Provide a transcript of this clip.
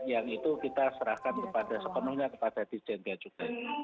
yang itu kita serahkan sepenuhnya kepada bumn juga